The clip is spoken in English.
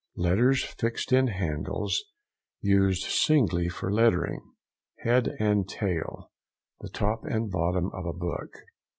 —Letters fixed in handles; used singly for lettering. HEAD AND TAIL.—The top and bottom of a book.